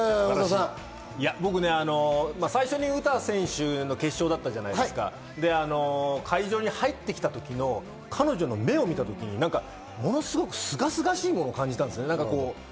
僕ね、最初に詩選手の決勝だったじゃないですか、会場に入ってきた時の彼女の目を見たときに、ものすごくすがすがしいものを感じたんですね。